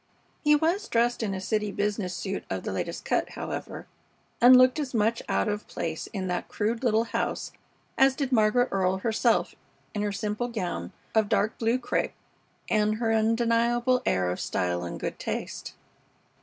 He was dressed in a city business suit of the latest cut, however, and looked as much out of place in that crude little house as did Margaret Earle herself in her simple gown of dark blue crêpe and her undeniable air of style and good taste.